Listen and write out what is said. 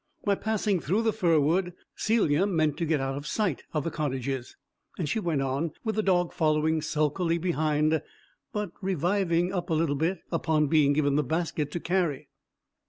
By passing through the fir wood, Celia meant to get out of sight of the cottages, and she went on, with the dog following sulkily behind, but reviving a little upon being given the basket to carry.